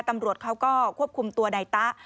ตำรวจเขาก็ควบคุมตัวนายตะ